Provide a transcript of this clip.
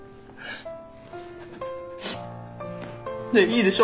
ねえいいでしょ